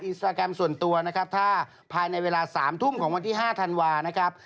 อินสตาแกรมส่วนตัวถ้าภายในเวลา๓ทุ่มของวันที่๕ธันวาคม